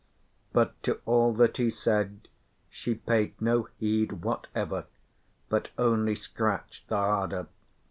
But to all that he said she paid no heed whatever but only scratched the harder.